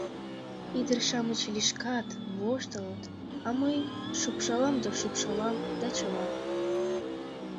Ӱдыр-шамыч лӱшкат, воштылыт, а мый шупшалам да шупшалам да чыла.